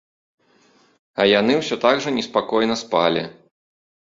А яны ўсе так жа неспакойна спалі.